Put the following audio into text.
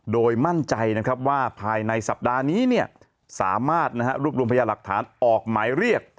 โดยมั่นใจนะครับว่าภายในสัปดาห์นี้สามารถรวบรวมพยาหลักฐานออกหมายเรียก